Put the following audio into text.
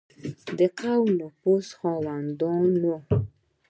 د قومي نفوذ خاوندانو.